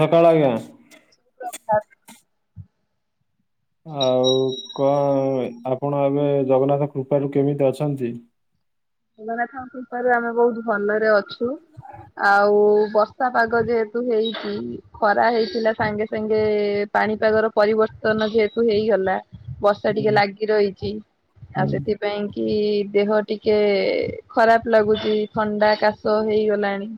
ସକାଳ ଆଜ୍ଞା। [unintelligible] ଆଉ କଣ? ଆପଣ ଏବେ ଜଗନ୍ନାଥ କୃପାରୁୁ କେମିତି ଅଛନ୍ତି? ଜଗନ୍ନାଥ କୃପାରୁ ଆମେ ବହୁତ ଭଲରେ ଅଛୁ। ଆଉ ବର୍ଷା ପାଗ ଯେହେତୁ ହେଇଛି ଖରା ହେଇଥିଲା ସାଙ୍ଗେ ସାଙ୍ଗେ ପାଣିପାଗର ପରିବର୍ତ୍ତନ ଯେହେତୁ ହେଇଗଲା ବର୍ଷା ହୁଁ ଟିକେ ଲାଗିରହିଛି ଆଉ ହୁଁ ସେଥିପାଇଁ କି ଦେହ ଟିକେ ଖରାପ ଲାଗୁଚି ଥଣ୍ଡା କାଶ ହେଇଗଲାଣି।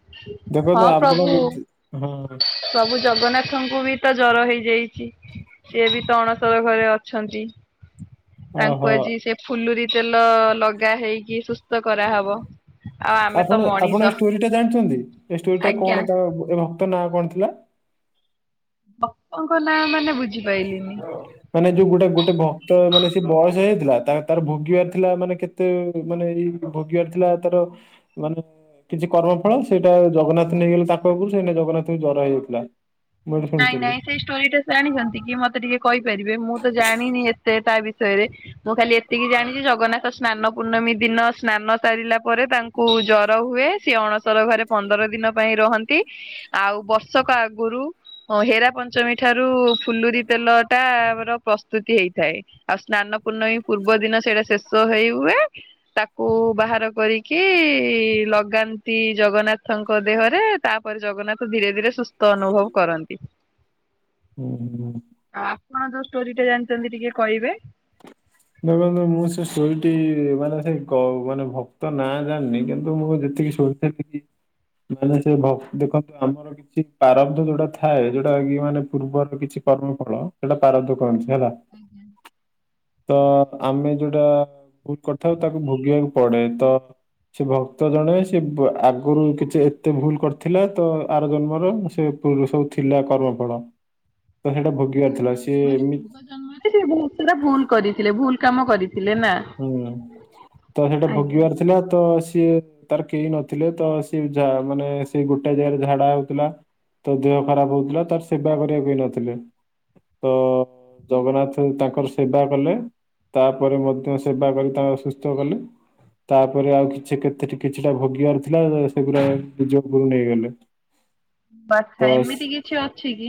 ଦେଖନ୍ତୁ ହଁ ଆପଣ ପ୍ରଭୁ ଯଦି ହଁ ପ୍ରଭୁ ଜଗନ୍ନାଥ ନାଥଙ୍କୁ ବି ତ ଜର ହେଇଯାଇଛି। ସିଏ ବି ତ ଅଣସର ଘରେ ଅଛନ୍ତି। ତାଙ୍କୁ ଓହୋ ଆଜି ସେ ଫୁଲୁରି ତେଲ ଲଗା ହେଇକି ସୁସ୍ଥ କରାହବ। ଆଉ ଆମେ ତ ଆପଣ ଆପଣ ମଣିଷ ଏ ଷ୍ଟୋରି ଟା ଜାଣିଛନ୍ତି? ଏ ଷ୍ଟୋରି ଟା ଆଜ୍ଞା। କଣ? ତା ତା ନାଁ କଣ ଥିଲା? ବାପାଙ୍କ ନାଁ ମାନେ ବୁଝି ମାନେ ଯୋଉ ଗୋଟେ ଗୋଟେ ଭକ୍ତ ମାନେ କେତେ ବୟସ ହେଇଥିଲା ତାର ଭୋଗିବାର ଥିଲା ମାନେ କେତେ ମାନେ ଏଇ ଭୋଗିବାର ଥିଲା ତାର ମାନେ କିଛି କର୍ମ ଫଳ ସେଇଟା ଜଗନ୍ନାଥ ନେଇଗଲେ ତାଙ୍କ ଆଗରୁ ସେଇଟି ଜଗନ୍ନାଥଙ୍କୁ ଜ୍ୱର ହେଇଯାଇଥିଲା। ମୁଁ ଏଠି ନାଇଁ ଶୁଣିଥିଲି। ନାଇଁ ସେଇ ଷ୍ଟୋରିଟା ଜାଣିଛନ୍ତି କି ମତେ ଟିକେ କହିପାରିବେ ମୁଁ ତ ଜାଣିନି ଏତେ ତା ବିଷୟରେ। ବିଷୟରେ ମୁଁ ଖାଲି ଏତିକି ଜାଣିଛି ଜଗନ୍ନାଥ ସ୍ନାନ ପୂର୍ଣ୍ଣମୀ ଦିନ ସ୍ନାନ ସାରିଲା ପରେ ତାଙ୍କୁ ଜର ହୁଏ ସେ ଅଣସର ଘରେ ପନ୍ଦର ଦିନ ପାଇଁ ରହନ୍ତି ଆଉ ବର୍ଷକ ଆଗୁରୁ ହିଁ ହେରା ପଞ୍ଚମୀ ଠାରୁ ଫୁଲରି ତେଲ ଟା ପ୍ରସ୍ତୁତି ହେଇଥାଏ । ସ୍ନାନ ପୂର୍ଣ୍ଣମୀ ପୂର୍ବ ଦିନ ସେଇଟା ତ ହେଇ ହୁଏ ତାକୁ ବାହାର କରିକି ଲଗାନ୍ତି ଜଗନ୍ନାଥ। ତାଙ୍କ ଦେହରେ ତାପରେ ଜଗନ୍ନାଥ ଧୀରେ ଧୀରେ ସୁସ୍ଥ ଅନୁଭବ କରନ୍ତି। ହୁଁ ହୁ ହିଁ। ଆଉ ଆପଣ ଯୋଉ ଷ୍ଟୋରି ଟା ଜାଣିଛନ୍ତି ଟିକେ କହିବେ? ଦେଖନ୍ତୁ ମୁଁ ସେ ଷ୍ଟୋରି ଟି ମାନେ ସେ ମାନେ ଭକ୍ତ ନାଁ ଜାଣିନି କିନ୍ତୁ ମୁଁ ଏଇ ସରିତା ଦିଦି ମାନେ ସେ ଭ ଦେଖନ୍ତୁ ଆମର କିଛି ପାରବ୍ଧ ଯୋଉଟା ଥାଏ ଯୋଉଟା ଇଏ ମାନେ ପୂର୍ବର କିଛି କର୍ମଫଳ ସେଇଟା ପରବ୍ଧ କନ୍ତି ହେଲା। ତ ଆମେ ଯୋଉଟା କରିଥାଉ ତାକୁ ଭୋଗିବାକୁ ପଡେ ତ ସେ ଭକ୍ତ ଜଣେ ସେ ଆଗରୁ କିଛି ଏତେ ଭୁଲ କରିଥିଲା ତ ଆର ଜନ୍ମର ସେ ପୂର୍ବରୁ ସବୁ ଥିଲା କର୍ମଫଳ। ତ ସେଇଟା ଭୋଗିବାର ଥିଲା ପୂର୍ବଜ ସିଏ ମାନେ ଏମିତି ପୂର୍ବଜନ୍ମରେ ସେଟା ଭୁଲ କରିଥିଲେ ଭୁଲ କାମ କରି ହୁଁ ତ ସେଟା ଭୋଗିବାର ଥିଲା ତ ସିଏ ତାର କେହି ନଥିଲେ ତ ସିଏ ମାନେ ସେ ଗୋଟେ ଜାଗାରେ ଝାଡା ହଉଥିଲା ତାଦେହ ଖରାପ ହଉଥିଲା ତାର ସେବା କରିବାକୁ କିଏ ନଥିଲେ। ତ ଜଗନ୍ନାଥ ତାଙ୍କର ସେବା କଲେ ତାପରେ ମଧ୍ୟ ସେବା କରି ତାକୁ ଶୁସ୍ଥ କଲେ। ତାପରେ ଆଉ କିଛି କେତେଟି କିଛିଟା ଭୋଗିବାର ଥିଲା। ସେଗୁରା ନିଜ ଓପରୁକୁ ନେଇଗଲେ। ବାଛା ତ ସ- ଏମିତି କିଛି ଅଛି କି?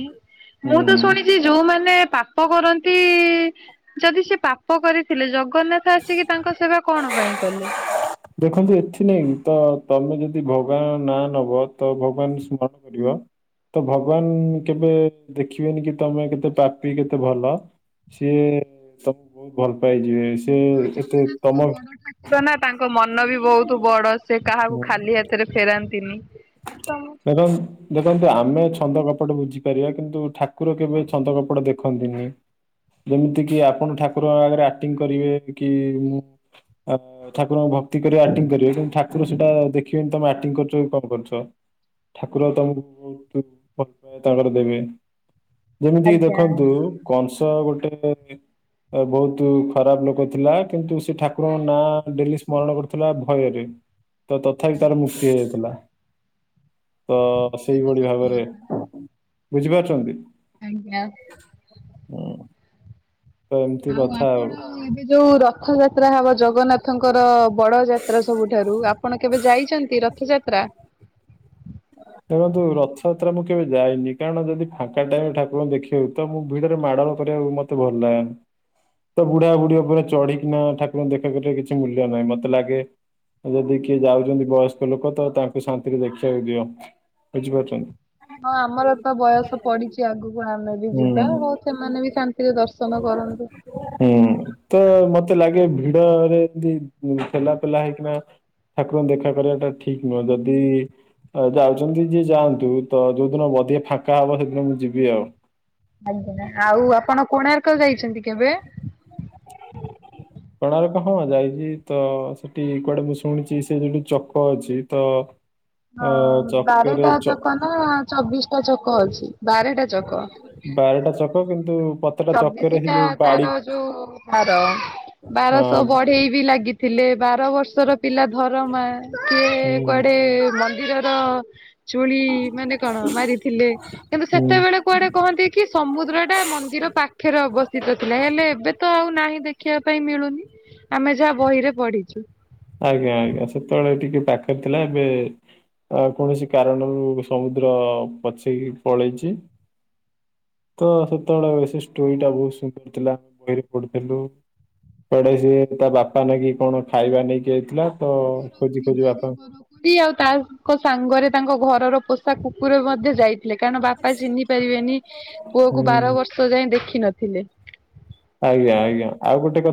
ମୁଁ ତ ହୁଁ। ଶୁଣିଛି ଯୋଉମାନେ ପାପ କରନ୍ତି ଯଦି ସେ ପାପ କରିଥିଲେ ଜଗନ୍ନାଥ ଆସିକି ତାଙ୍କ ସେବା କଣ ପାଇଁ କଲେ? ଦେଖନ୍ତୁ ଏଥି ନାଇଁ ତ ତମେ ଯଦି ଭଗବାନ ନାଁ ନବ ତ ଭଗବାନଉଙ୍କୁ ସ୍ମରଣ କରିବ ତ ଭଗବାନ କେବେ ଦେଖିବେନି କି ତମେ କେତେ ପ୍ରପୀ କେତେ ଭଲ ସିଏ ତମକୁ ବହୁତ ଭଲ ପାଇଯିବେ ସିଏ ହଁ ଏତେ ଜଗନ୍ନାଥ ତମ ତ ବଡ଼ ଠାକୁର ନା ତାଙ୍କ ମ ମନ ବି ବୋହୁତ ବଡ ସେ କାହାକୁ ଖାଲି ହାତରେ ଫେରାନ୍ତିନି। [inaudible] ଦେଖନ୍ତୁ ଦେଖନ୍ତୁ ଆମେ ଛନ୍ଦ କପଟ ବୁଝିପାରିବା କିନ୍ତୁ ଠାକୁର କେବେ ଛନ୍ଦ କପଟ ଦେଖନ୍ତିନି। ଯେମିତି କିି ଆପଣ ଠାକୁରଙ୍କ ଆଗରେ ଆକ୍ଟିଂ କରିବେ କି ଉଁ ଆଁ ଠାକୁରଙ୍କୁ ଭକ୍ତି କରିବେ ଆକ୍ଟିଂ କରିବେ କିନ୍ତୁ ଠାକୁର ସେଟା ଦେଖିବେନି ତମେ ଆକ୍ଟିଂ କରୁଚ କି କଣ କରୁଚ। ତ୍ ଠାକୁର ତମକୁ ବହୁତ ଭଲ ପାଇବା ତାଙ୍କର ଦେବେ। ଯେମିତି ଆଜ୍ଞା। ଦେଖନ୍ତୁ କଂସ ଗୋଟେ ବୋହୁତ ଖରାପ ଲୋକ ଥିଲା କିନ୍ତୁ ସେ ଠାକୁରଙ୍କ ନାଁ ଡେଲି ସ୍ମରଣ କରୁଥିଲା ଭୟରେ ତ ତଥାପି ତାର ଆଜ୍ଞା ମୁକ୍ତି ହେଇଯାଇଥିଲା। ତ ସେଇଟା ତ ସେଇଭଳି ସତ ଭାବରେ କଥା ବୁଝିପାରୁଛନ୍ତି? ଆଜ୍ଞା। ହୁଁ। ତ ଏମିତି ଆଉ କଥା ଆପଣ ଏବେ ଯୋଉ ରଥ ଯାତ୍ରା ହବ ଜଗନ୍ନାଥଙ୍କର ବଡ ଯାତ୍ରା ସବୁଠାରୁ ଆପଣ କେବେ ଯାଇଚନ୍ତି ରଥଯାତ୍ରା? ଦେଖନ୍ତୁ ରଥଯାତ୍ରା ମୁଁ କେବେ ଯାଇନି କାରଣ ଯଦି ଫାଙ୍କା ଟାଇମ ଠାକୁରଙ୍କୁ ଦେଖିବୁ ତ ମୁଁ ଭିଡ ରେ ମାଡୋଳ କରିବାକୁ ମତେ ଭଲ ଲାଗେନି। ତ ବୁଢା ବୁଢୀ ଓପରେ ଚଢିକିନା ଠାକୁରଙ୍କୁ ଦେଖା କରିବାରେ କିଛି ମୂଲ୍ୟ ନାହିଁ ମତେ ଲାଗେ ଯଦି କିଏ ଯାଉଚନ୍ତି ବୟସ୍କ ଲୋକ ତ ତାଙ୍କୁ ଶାନ୍ତିରେ ଦେଖିବାକୁ ଦିଅ ବୁଝିପାରୁଚନ୍ତି। ହଁ ଆମର ତ ବୟସ ପଡିଚି ଆଗକୁ ଆମେ ଯିବା ହୁଁ ହୋଉ ସେମାନେ ବି ଶାନ୍ତିରେ ଦର୍ଶନ କରନ୍ତୁ। ହୁଁ ତ ମତେ ଲାଗେ ଭିଡରେ ଏମତି ଢେଲା ପେଲା ହେଇକିନା ଠାକୁରଙ୍କୁ ଦେଖା କରିବାଟା ଠିକ ନୁହେଁ ଯଦି ଯାଉଚନ୍ତି ଯିଏ ଯାଆନ୍ତୁ ତ ଯୋଉଦିନ ବଧିକଆ ଫାଙ୍କା ହବ ସେଦିନ ମୁଁ ଯିବି ଆଉ। ଆଜ୍ଞା ଆଉ ଆପଣ କୋଣାର୍କ ଯାଇଚନ୍ତି କେବେ? କୋଣାର୍କ ହଁ ଯାଇଚି ତ ସେଠି କୁଆଡେ ମୁଁ ଶୁଣିଚି ସେଠି ଗୋଟେ ଚକ ଅଛି ତ ହଁ ଅ ଚକରେ ବାରଟା ଚ ଚକ ନା ଚବିଶଟା ଚକ ଅଛି ବାରଟା ଚକ। ବାରଟା ଚକ କିନ୍ତୁ ପତେଟା ଚକରେ ଚବିଶି ସେ ଟା ଯୋଉ ବାଡି ତାର ଯୋଉ ଧାର, ଅ ବାରଶହ ବଢେଇ ବି ଲାଗି ଥିଲେ ବାର ବର୍ଷର ପିଲା ଧର ମା ସିଏ ହୁଁ କୁଆଡେ ମନ୍ଦିରର ଚୁଳି ମାନେ କଣ ମାରିଥିଲେ କିନ୍ତୁ ହୁଁ ସେତେବେଳେ କୁଆଡେ କହନ୍ତି କି ସମୁଦ୍ର ଟା ମନ୍ଦିର ପାଖରେ ଅବସ୍ଥିତ ଥିଲା ହେଲେ ଏବେ ତ ଆଉ ନାହିଁ ଦେଖିବା କାଇଁ ମିଳୁନି। ଆମେ ଯାହା ବହିରେ ପଢିଚୁ। ଆଜ୍ଞା ଆଜ୍ଞା ସେତେବେଳେ ଟିକେ ପାଖରେ ଥିଲା ଏବେ ଅ କୌଣସି କାରଣରୁ ସମୁଦ୍ର ପଛେଇ ପଳେଇଚି। ତ ସେତେବେଳେ ସେ ଷ୍ଟୋରି ଟା ବହୁତ ସୁନ୍ଦର ଥିଲା ଆମେ ବହିରେ ପଢିଥିଲୁ। କୁଆଡେ ସିଏ ତା ବାପା ନାକି କଣ ଖାଇବା ନେଇକି ଯାଇଥିଲା ତ ଖୋଜି ବରକୋଳି, ଖୋଜି ବାଡ଼ି ବାପା ବରକୋଳି ଆଉ ତାଙ୍କ ସାଙ୍ଗରେ ତାଙ୍କ ଘରର ପ କୁକୁର ମଧ୍ୟ ଯାଇଥିଲେ କାରଣ ବାପା ଚିହ୍ନି ପାରିବେନି ପୁଅ ହୁଁ କୁ ବାର ବର୍ଷ ଯାଏ ଦେଖି ନଥିଲେ।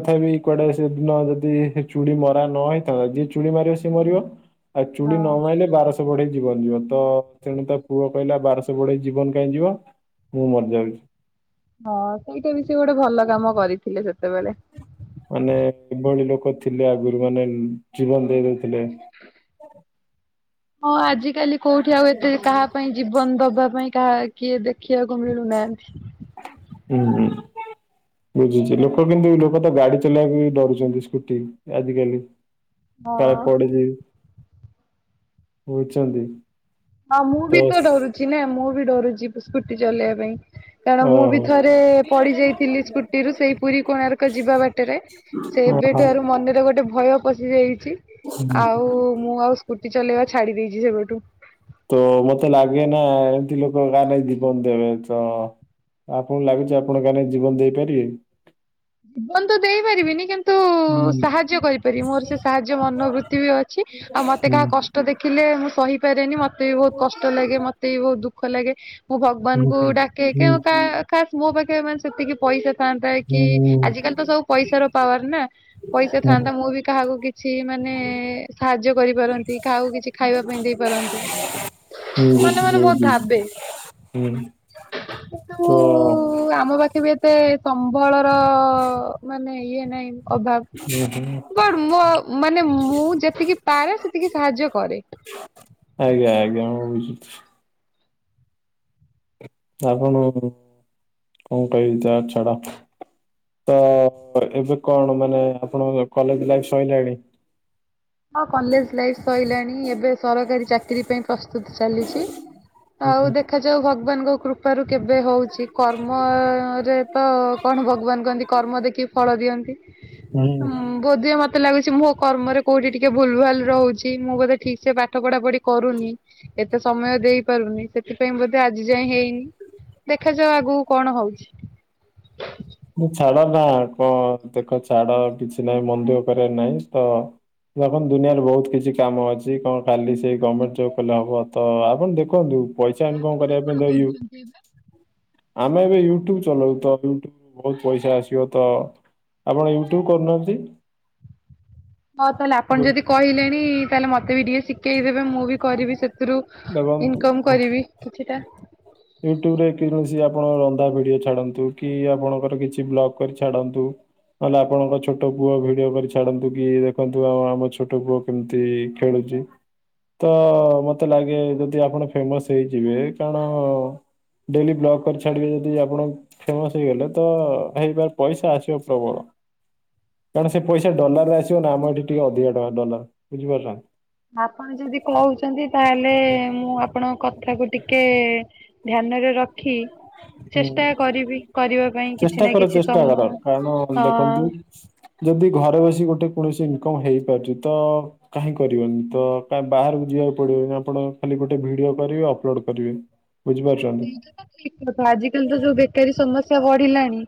ତଥାପି କୁଆଡେ ସେଦିନ ଯଦି ଚୁଡ଼ି ମରା ନହଇଥା ଯିଏ ଚୁଡ଼ି ମାରିବ ସିଏ ମରିବ। ଆଉ ଚୁଡି ନ ହଁ ମାଇଲେ ବାରସହ ଶ ବଢେଇ ଜୀବନ ଯିବ ତ ତେଣୁ ତ ପୁଅ କହିଲା ବାରଶହ ବଢେଇ ଜୀବ କାଇଁ ଯିବ ହୁଁ ମରଇ ଯାଇଚି। ହଁ ସେଇଟା ବି ସେ ଗୋଟେ ଭଲ କାମ କରିଥିଲେ ସେ ମାନେ ଏଭଳି ଲୋକ ଥିଲେ ଆଗରୁ ମାନେ ଜୀବନ ଦେଇ ଦଉ ଥିଲେ । ହଁ ଆଜିିକାଲି କୋଉଠି ଆଉ ଏତେ କାହା ପାଇଁ ଜୀବନ ଦବା ପାଇଁ କାହା କିଏ ଦେଖିବାକୁ ମିଳୁ ନାହାନ୍ତି। ହୁଁ। ବୁଝୁଚି ଲୋକ କିନ୍ତୁ ଲୋକ ତ ଗାଡି ଚଲେଇବାକୁ ବି ଡରୁଚନ୍ତି ସ୍କୁଟି ଆଜିକାଲି। ହଁ କାଳେ ପଡି ଯିବୁ ବୁଝୁଚନ୍ତି। ହଁ ମୁଁ ବି ତ ଡରୁଚି ନା ମୁଁ ବି ଡରୁଚି ସ୍କୁୁଟି ଚଲେଇବା ପାଇଁ। କାରଣ ମୁଁ ବି ଓହୋ ଥରେ ପଡି ଯାଇଥିଲି ସ୍କୁଟିରୁ ସେଇ ପୁରୀ କୋଣାର୍କ ଯିବା ବାଟରେ। ଓହୋ ସେବେଠାରୁ ମନ୍ଦିର ଗୋଟେ ଭୟ ପଶିଯାଇଚି, ଆଉ ମୁଁ ଆଉ ସ୍କୁଟି ଚଲେଇବା ଛାଡି ଦେଇେଇଚି ସେବଠୁ। ତ ମତେ ଲାଗେ ନା ଏମତି ଲୋକ କା ପାଇଁ ଜୀବନ ଦେବେ ତ ଆପଣଙ୍କୁ ଲାଗୁଚି ଆପଣ କା ନାଗି ଜୀବନ ଦେଇପାରିବେ? ଜୀବନ ତ ଦେଇପାରିବିନି କିନ୍ତୁ ହୁଁ। ସାହାଯ୍ୟ କରିପାରିବି ମୋର ସେ ସାହାଯ୍ୟ ମନୋବୃତି ବି ଅଛି ଆଉ ମତେ କାହା ହୁଁ କଷ୍ଟ ଦେଖିଲେ ମୁଁ ସହି ପାରେନି ମତେ ବି ବହୁତ କଷ୍ଟ ଲାଗେ ମତେ ବି ବହୁତ ଦୁଃଖ ଲାଗେ। ମୁଁ ଭଗବାନଙ୍କୁ ଡାକେଇକ ହୁଁ ହୁଁ ଖାସ ମୋ ପାଖେ ମେ ସେତିକି ପଇସା ଥାଆନ୍ତା କି ହୁଁ ଆଜିକାଲି ତ ସବୁ ପଇସାର ପାୱାର ନା ପଇସା ହୁଁ ଥାଆନ୍ତା ମୁଁ ବି କାହାକୁ କିଛି ଛି ମାନେ ସାହାଯ୍ୟ କରିପାରନ୍ତି। କାହାକୁ କିଛି ଖାଇବା ପାଇଁ ଦେଇପାରନ୍ତି। ହୁଁ ମନେ ବୁଝୁଛି ମନେ ବହୁତ ବୁଝୁଛି ଭାବେ ହୁଁ କିନ୍ତୁ ତ ଆମ ପାଖେ ବି ଏତେ ସମ୍ବଳର ମାନେ ଇଏ ନାଇଁ ହୁଁ ହୁଁ ଅଭାବ। ବଟ ମୋ ମାନେ ମୁଁ ଯେତିକି ପାରେ ସେତିକି ସାହାଯ୍ୟ କରେ। ଆଜ୍ଞା ଆଜ୍ଞା। [inaudible] ଆପଣ [inaudible] କଣ କହିବି ଯ ଛାଡ । ତ ଏବେ କଣ ମାନେ ଆପଣ କଲେଜ ଲାଇଫ ସଇଲାଣି? ହଁ କଲେଜ ଲାଇଫ ସଇଲାଣି ଏବେ ସରକାରୀ ଚାକିରି ପାଇଁ ପ୍ରସ୍ତୁତ୍ ଚାଲିଚି। ଆଉ ହୁଁ ଦେଖାଯାଉ ଭଗବାନଙ୍କ କୃ ପାରୁ କେବେ ହଉଛି କର୍ମରେ ତ କଣ ଭଗବାନ କହନ୍ତି କର୍ମ ଦେଖି ଫଳ ଦିଅ ହୁଁ ବୋଧେ ମତେ ଲାଗୁଚି ମୋ କର୍ମରେ କୋଉଠି ଟିକେ ଭୁଲ ଭାଲ୍ ରହୁଚି ମୁଁ ବୋଧେ ଠିକ୍ ସେ ପାଠ ପଢା ପଢି କରୁନି ଏତେ ସମୟ ଦେଇପାରୁନି ସେଥିପାଇଁ ବୋଧେ ଆଜି ଯାଏଁ ହେଇନି ଦେଖାଯାଉ ଆଗକୁ କଣ ହଉଚି? ଛାଡ ନା କଣ ଦେଖ ଛାଡ କିଛି ନାହିଁ ମନ ଦୁଃଖ କରିବାର ନାଇଁ ତ ଦେଖନ୍ତୁ ଦୁନିଆରେ ବହୁତ କିଛି କାମ ଅଛି କଣ କାଲି ସେଇ ଗମେଣ୍ଟ ଜବ୍ କଲେ ହବ ତ ଆପଣ ଦେଖନ୍ତୁ ପଇସା ଇନକମ୍ କରିବା ପାଇଁ ଦ ଆମେ ଏବେ ୟୁଟ୍ୟୁବ ଚଲଉଚ ୟୁଟୁବ ବହୁତ ପଇସା ଆସିବ ତ ଆପଣ ୟୁଟ୍ୟୁବ କରୁନାହାନ୍ତି? ହଁ ତାହେଲେ ଆପଣ ଗୋ ଯଦି କହିଲେଣି ତାହେଲେ ମତେ ବି ଟିକିଏ ଶିଖେଇଦେବେ ମୁଁ ବି କରିବି ସେଥିରୁ ଦେଖନ୍ତୁ ଇନକମ କରିବି କିଛିଟା। କି ଆପଣ ରନ୍ଧା ଭିଡିଓ ଛାଡନ୍ତୁ କି ଆପଣଙ୍କର କିଛି ବ୍ଲଗ କରି ଛାଡନ୍ତୁ ନହେଲେ ଆପଣଙ୍କ ଛୋଟ ପୁଅ ଭିଡିଓ କରି ଛାଡନ୍ତୁ କି ଦେଖନ୍ତୁ ଆ ଆମ ଛୋଟ ପୁଅ କେମିତି ଖେଳୁଛି ତ ମତେ ଲାଗେ ଯଦି ଆପଣ ଫେମସ୍ ହେଇଯିବେ କାରଣ ଡେଲି ବ୍ଲଗ୍ କରି ଛାଡିବେ ଯଦି ଆପଣ ଫେମସ୍ ହେଇଗଲେ ତ ହେଇପାରେ ପଇସା ଆସିବ ପ୍ରବଳ। କାରଣ ସେ ପଇସା ଡଲାର ରେ ଆସିବ ନା ଆମ ଏଠି ଟିକେ ଅଧିକା ଟଙ୍କା ଡଲାର ବୁଝିପାରିଲ। ଆପଣ ଯଦି କହୁଛନ୍ତି ତାହେଲେ ମୁଁ ଆପଣଙ୍କ କଥାକୁ ଟିକେ [inaudible] ଚେଷ୍ଟା ହୁଁ କରିବି କରିବା ପାଇଁ କିଛି ଚେଷ୍ଟା ନା କର କିଛି ଚେଷ୍ଟା ସମୟ କର କାରଣ ଦେଖନ୍ତୁ ହଁ ଯଦି ଘରେ ଘରେ ବସି ଗୋଟେ କୌଣସି ଇନକମ୍ ହେଇପାରୁଛି ତ କାହିଁ କରିବନି ତ କାଇ ବାହାରକୁ ଯିବାକୁ ପଡିବନି ଆପଣ ଖାଲି ଗୋଟେ ଭିଡିଓ କରିବେ ଅପଲୋଡ କରିବେ ବୁଝିପାରୁଚନ୍ତି? ସେଇଟା ଠିକ କଥା ଆଜିକାଲି ତ ଯୋଉ ବେକାରୀ ସମସ୍ୟା ବଢିଲାଣି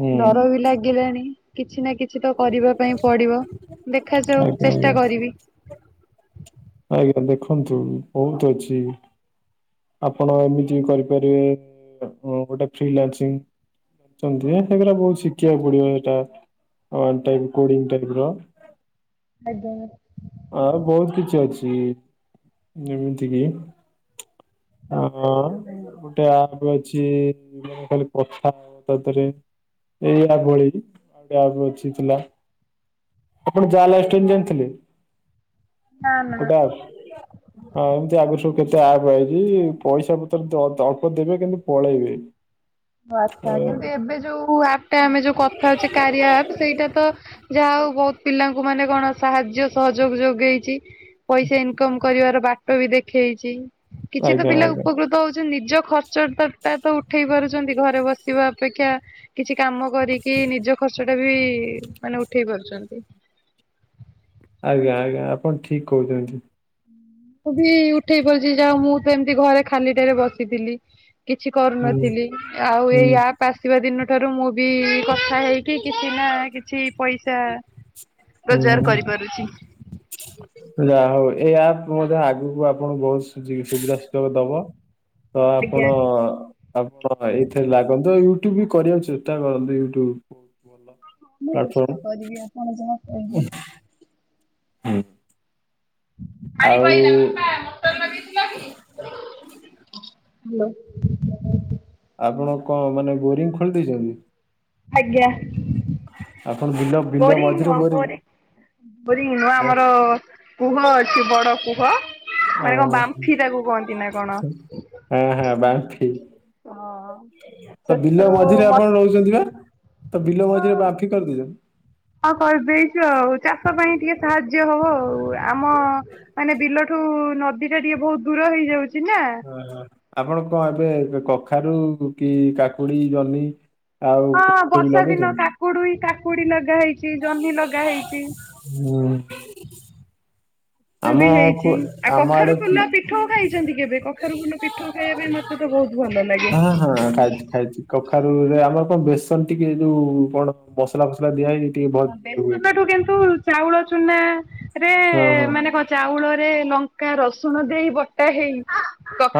ହୁଁ ଡର ବି ଲାଗିଲାଣି। କିଛି ନା କିଛି କିଛି ତ କରିବା ପାଇଁ ପଡିବ ଦେଖାଯାଉ ଆଜ୍ଞା ଆଜ୍ଞା ଚେଷ୍ଟା କରିବି। ଆଜ୍ଞା ଦେଖନ୍ତୁ ବହୁତ ଅଛି। ଆପଣ ଏମିତି କରିପାରିବେ ଗୋଟେ ଫ୍ରିଲାନସିଂ ଛନ୍ତି ସେଗା ବହୁତ ଶିଖିବାକୁ ପଡିବ ସେଇଟା। ଡି ର ଆଜ୍ଞା ଆ [unintelligible] ବହୁତ କିଛି ଅଛି। ସେ ଯେମିତି କିି ହ ଗୋଟେ ଆପ ଅଛି ଖାଲି କଥା ତା ଦେହରେ ଏଇଆ ଭଳି ଆଉଟ ଅଛି ଥିଲା ଆପଣ ଯାହା ଲାଷ୍ଟ ଜାଣିଥିଲେ। ନା ନା ଟା ହଁ ଏମିତି ଆଗରୁ ସବୁ କେତେ ଆପ ଆଇ ଏଇ ପଇସା ପତ୍ର ଅଳ୍ପ ଦେବେ କିନ୍ତୁ ପଳେଇବେ। ଓ ଅ, ଆଚ୍ଛା କିନ୍ତୁ ଏବେ ଯୋଉ ଆପ୍ ଟା ଆମେ ଯୋଉ କଥା ହଉଛେ କାରିଆ ଆପ୍ ସେଇଟା ତ ଯାହା ହଉ ବହୁତ ପିଲାଙ୍କୁ ମାନେ କଣ ସାହାଯ୍ୟ ସହଯୋଗ ଯୋଗେଇଛି ପଇସା ଇନକମ କରିବାର ବାଟ ବାଟ ବି ଦେଖେଇଛି କିଛି ତ ଆଜ୍ଞା ପିଲା ଆଜ୍ଞା ଉପକୃତ ହଉଛନ୍ତି ନିଜ ଖର୍ଚ୍ଚ ଟା ତ ଉଠେଇ ପାରୁ ଘରେ ବସିବା ଅପେକ୍ଷା କିଛି କାମ କରିକି ନିଜ ଖର୍ଚ୍ଚଟା ବି ମାନେ ଉଠେଇ ପାରୁ କରୁଛନ୍ତି। ଆଜ୍ଞା ଆଜ୍ଞା ଆପଣ ଠିକ କହୁଛନ୍ତି। ମୁଁ ବି ଉଠେଇ ପାରୁଛି ଯାହା ମୁଁ ତ ଏମିତି ଘରେ ଖାଲି ଟାରେ ବସିଥିଲି। କିଛି ହୁଁ କରୁନଥିଲି ଆଉ ହୁଁ। ଏଇ ଆପ୍ ଆସିବା ଦିନ ଠାରୁ ମୁଁ ବି କଥା ହେଇକି କିଛି ନା କିଛି ପଇସା ରୋଜଗାର ହୁଁ କରିପାରୁଚି। ଏଇ ଆପ୍ ମଧ୍ୟ ଆଗକୁ ଆପଣଙ୍କୁ ବହୁତ ସୁବିଧା ସୁଯୋଗ ଦବ। ତ ଆପଣ ୟୁଜ କରିବାକୁ ଚେଷ୍ଟା କରନ୍ତୁ ୟୁଟ୍ୟୁବ ଭଲ ହଁ ମୁଁ ଚେଷ୍ଟା ପ୍ଲାଟଫର୍ମ କରିବି ଆପଣ ଯାହା କହିବେ। ହୁଁ। ପାଣି ପହିଲ ବାପା ମୋଟର ଲଗେଇଥିଲା କି? ହାଲୋ [inaudible] ଆପଣ କଣ ମାନେ ବୋରିଂ ଖୋଳୀ ଦେଇଛନ୍ତି? ଆଜ୍ଞା। ଆପଣ ବିଲ ବିଲ ବୋରିଂ ମଝିରେ ନୁହଁ ବୋରିଂ ବୋରି ବୋରିଂ ନୁହଁ ହଁ ଆମର କୁହ ଅଛି ବଡ଼ କୁହ। ହ ମାନେ କଣ ବାମ୍ଫି ତାକୁ କହନ୍ତି ନା କଣ? ହଁ ହଁ ବାମ୍ଫି ହଁ ତ ବିଲ ସେଥିରୁ ମଝିରେ ଆପଣ ମତେ ରହୁଛନ୍ତି ପା? ତ ବିଲ ମଜରେ ବାମ୍ଫି କରି ଦିଆ। ହଁ କରିଦେଇଛୁ ଆଉ ଚାଷ ପାଇଁ ଟିକେ ସାହାଯ୍ୟ ହବ ଆଉ ଆମ ମାନେ ବିଲ ଏଠୁ ନଦୀ ଟା ଟିକେ ବହୁତ ଦୂର ହେଇଯାଉଛି। ନା ଓ ଆପଣ କଣ ଏବେ କଖାରୁ କି କାକୁଡି, ଜହ୍ନି ଆଉ ହଁ କୋବି ଫୋବି ବର୍ଷା ଦିନ ଲଗେଇଛନ୍ତି? କାକୁଡ ହି କାକୁଡି ଲଗା ହେଇଛି। ଜହ୍ନି ଲଗା ହେଇଛି। ହୁଁ ଆମ ବି ପୁ ହେଇଛି ଆଉ ଆମ ଆଡେ କଖାରୁ କି ଫୁଲ ପିଠଉ ଖାଇଛନ୍ତି କେବେ କଖାରୁ ଫୁଲ ପିଠଉ ଖାଇବା ପାଇଁ ମତେ ତ ବହୁତ ଭଲ ଲାଗେ ହଁ ହଁ ଖାଇଛି ଖାଇଛି କଖାରୁ ରେ ଆମର କଣ ବେସନ ଟିକେ ଯୋଉ କଣ ମସଲା ଫସଲା ଦିଆ ହେଇକି ଟିକେ ଭ ଇଏ ହୁଏ ବେସନଠୁ କିନ୍ତୁ ଚାଉଳ ଚୁନା ରେ ହଁ ହଁ ମାନେ କଣ ଚାଉଳ ଲଙ୍କା, ରସୁଣ ଦେଇ ବଟା ହେଇ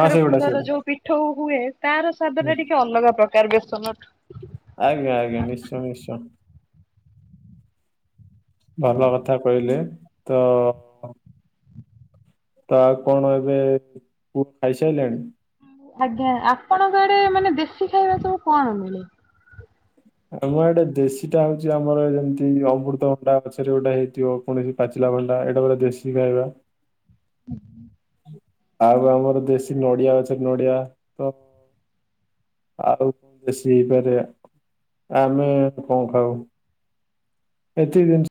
ହଁ ସେଇଗୁଡା ଫୁଲର ସେଇଗୁଡା ଯୋଉ ପିଠ ହୁଏ ତାର ହୁଁ। ସ୍ଵାଦରେ ଟିକେ ଅଲଗା ପ୍ରକାର ବେସନଠୁ। ଆଜ୍ଞା ଆଜ୍ଞା ନିଶ୍ଚୟ ନିଶ୍ଚୟ। ଭଲ କଥା କହିଲେ ତ ତା କଣ ଏବେ ପୁଅ ଖାଇସାରିଲାଣି? ଆଜ୍ଞା ଆପଣଙ୍କ ଆଡେ ମାନେ ଦେଶୀ ଖାଇବା ସବୁ କଣ ମିଳେ? ଆମ ଆଡେ ଦେଶୀ ଟା ହଉଛି ଆମର ଯେମିତି ଅମୃତ ଅଣ୍ଡା ଗଛରେ ଗୋଟେ ହେଇଥିବ କୌଣସି ପାଚିଲା ଭଲଲାଗିଲା ଏଇଟା ପୁରା ଦେଶୀ ଖାଇବା। ଆଉ ଆମର ଦେଶୀ ନଡିଆ ଗଛରେ ନଡିଆ ତ ଆଉ କଣ ଦେଶୀ ହେଇପାରେ? ଆମେ କଣ ଖାଉ ଏତିକି ଜିନିଷ